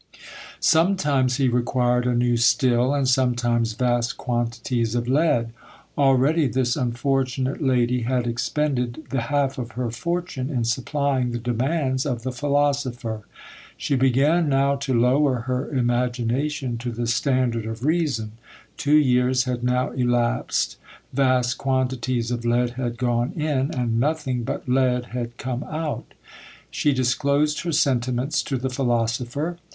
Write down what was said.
Sometimes he required a new still, and sometimes vast quantities of lead. Already this unfortunate lady had expended the half of her fortune in supplying the demands of the philosopher. She began now to lower her imagination to the standard of reason. Two years had now elapsed, vast quantities of lead had gone in, and nothing but lead had come out. She disclosed her sentiments to the philosopher.